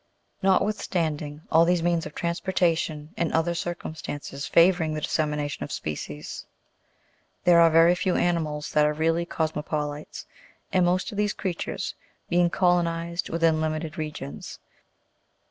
Notwithstanding all these means of transportation and other circumstances favouring the dissemination of species, there are OF ANIMALS. 107 very few animals that are really cosmopolites, the most of these creatures being colonized within limited regions.